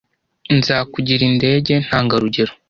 Nzakugira indege ntangarugero.